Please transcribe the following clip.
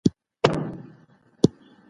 څه ډول پلانونه د ښار پراختیا تنظیموي؟